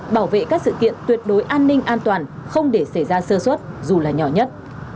bảo vệ các sự kiện tuyệt đối an ninh an toàn không để xảy ra sơ xuất dù là nhỏ nhất